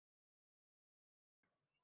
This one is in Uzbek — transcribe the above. Yoshlik bahori chorlaydi